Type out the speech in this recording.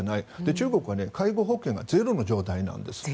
中国は介護保険がゼロの状態なんです。